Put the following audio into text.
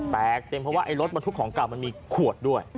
แปลกเต็มเพราะว่ารถทุกของกลับมันมีขวดด้วย